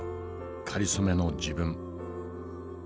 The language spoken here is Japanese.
かりそめの自分。